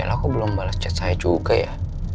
yaelah aku belum bales chat saya juga ya